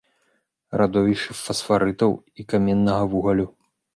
Радовішчы фасфарытаў і каменнага вугалю.